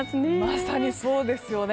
まさにそうですよね。